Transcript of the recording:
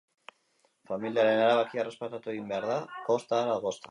Familiaren erabakia errespetatu egin behar da kosta ahala kosta.